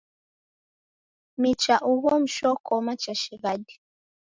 Micha ugho mshokoma cha shighadi.